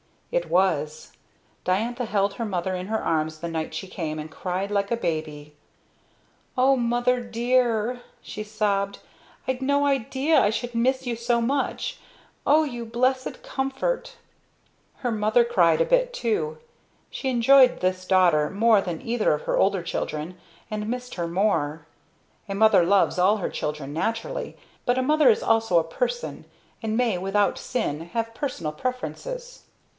It was. Diantha held her mother in her arms the night she came, and cried tike a baby. "O mother dear!" she sobbed, "I'd no idea I should miss you so much. O you blessed comfort!" Her mother cried a bit too; she enjoyed this daughter more than either of her older children, and missed her more. A mother loves all her children, naturally; but a mother is also a person and may, without sin, have personal preferences.